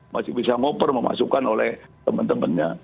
masih bisa ngoper memasukkan oleh temen temennya